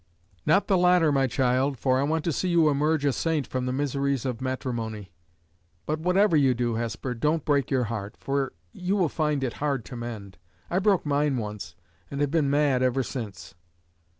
"Not the latter, my child; for I want to see you emerge a saint from the miseries of matrimony. But, whatever you do, Hesper, don't break your heart, for you will find it hard to mend. I broke mine once, and have been mad ever since."